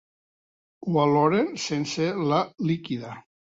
Ho oloren sense la líquida.